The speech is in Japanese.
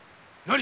何？